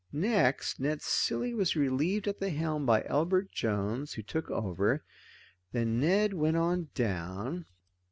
Next, Ned Cilley was relieved at the helm by Elbert Jones, who took over. Ned went on down.